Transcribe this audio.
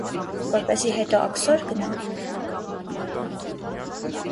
- Որպեսզի հետո աքսո՞ր գնամ: